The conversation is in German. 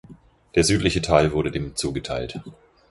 Der südliche Teil wurde dem zugeteilt.